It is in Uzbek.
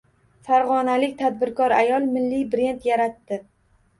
Farg‘onalik tadbirkor ayol milliy brend yaratdi